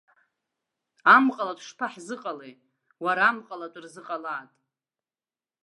Амҟалатә шԥаҳзыҟалеи, уара амҟалатә рзыҟалааит!